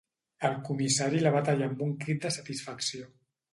El comissari la va tallar amb un crit de satisfacció.